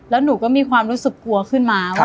แล้วหนูก็มีความรู้สึกกลัวขึ้นมาว่า